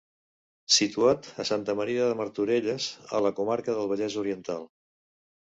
Situat a Santa Maria de Martorelles, a la comarca del Vallès Oriental.